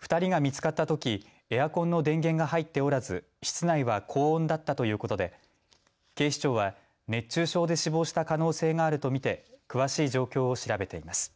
２人が見つかったときエアコンの電源が入っておらず室内は高温だったということで警視庁は熱中症で死亡した可能性があると見て詳しい状況を調べています。